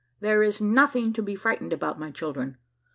There is noth to be frightened about, 1113' children.